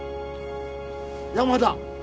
山田。